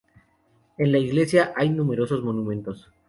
En la iglesia hay numerosos monumentos.